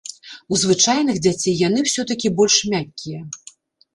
У звычайных дзяцей яны ўсё-такі больш мяккія.